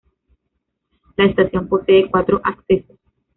La estación posee cuatro accesos.